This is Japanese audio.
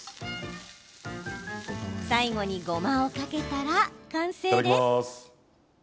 最後にごまをかけたら完成です。